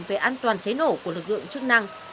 về an toàn cháy nổ của lực lượng chức năng